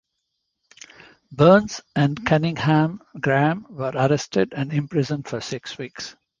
Burns and Cunninghame-Graham were arrested and imprisoned for six weeks.